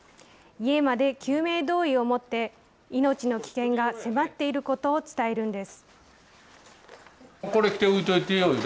家まで救命胴衣を持って、命の危険が迫っていることを伝えるんです。